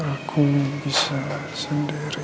aku bisa sendiri